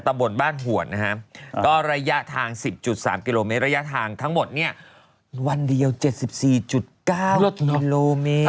ตำบลบ้านหวนนะฮะก็ระยะทาง๑๐๓กิโลเมตรระยะทางทั้งหมดเนี่ยวันเดียว๗๔๙กิโลเมตร